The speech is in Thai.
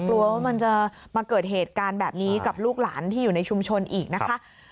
กลัวว่ามันจะมาเกิดเหตุการณ์แบบนี้กับลูกหลานที่อยู่ในชุมชนอีกนะคะ